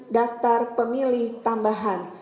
daftar pemilih tambahan